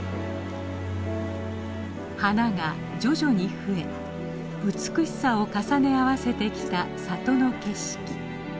花が徐々に増え美しさを重ね合わせてきた里の景色。